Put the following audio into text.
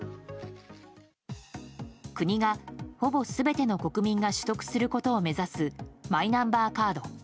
国が、ほぼ全ての国民が取得することを目指すマイナンバーカード。